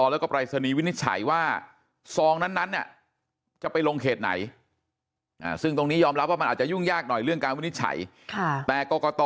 แล้วก็ปรายศนีย์วินิจฉัยว่าซองนั้นจะไปลงเขตไหนซึ่งตรงนี้ยอมรับว่ามันอาจจะยุ่งยากหน่อยเรื่องการวินิจฉัยแต่กรกต